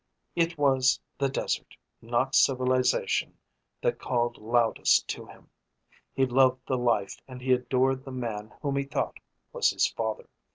It was the desert, not civilisation that called loudest to him. He loved the life and he adored the man whom he thought was his father.